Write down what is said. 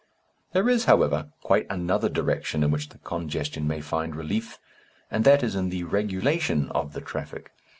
There is, however, quite another direction in which the congestion may find relief, and that is in the "regulation" of the traffic.